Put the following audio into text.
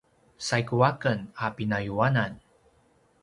saigu aken a pinayuanan